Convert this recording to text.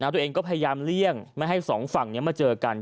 ตัวเองก็พยายามเลี่ยงไม่ให้สองฝั่งนี้มาเจอกัน